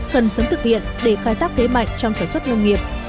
cần sớm thực hiện để khai tác thế mạnh trong sản xuất hương nghiệp